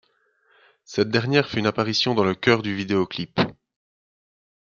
Cette dernière fait une apparition dans le chœur du vidéoclip.